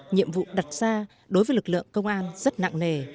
nhiệm vụ đặt ra đối với lực lượng công an rất nặng nề